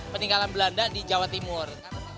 peninggalan belanda di jawa timur